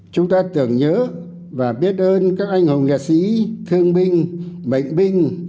chúng ta tưởng nhớ và biết ơn các anh hùng liệt sĩ thương binh bệnh binh